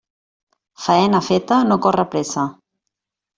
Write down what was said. Faena feta no corre pressa.